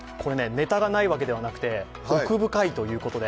ネタがないわけではなくて、奥深いということで。